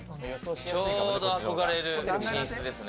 ちょうど憧れる寝室ですね。